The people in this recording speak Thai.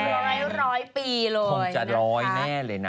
คงจะร้อยแน่เลยนะ